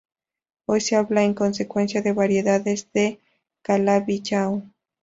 Hoy se habla en consecuencia de variedades de Calabi-Yau.